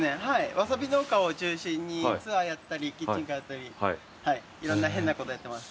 ワサビ農家を中心にツアーやったりキッチンカーやったりいろんな変なことやってます。